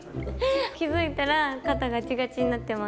気付いたら肩ガチガチになってます。